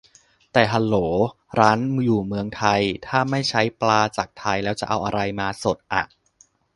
แต่ ฮัลโหล ร้านอยู่เมืองไทย ถ้าไม่ใช้ปลาจากไทย แล้วจะเอาอะไรมาสดอะ